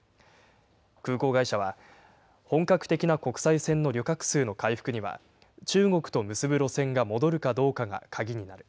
空港会社は、本格的な国際線の旅客数の回復には、中国と結ぶ路線が戻るかどうかが鍵になる。